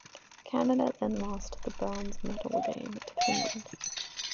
Canada then lost the bronze medal game to Finland.